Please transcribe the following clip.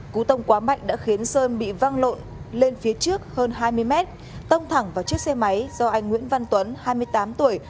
cú tông quá mạnh đã khiến sơn bị văng lộn lên phía trước hơn hai mươi mét tông thẳng vào chiếc xe máy do anh nguyễn văn tuấn hai mươi tám tuổi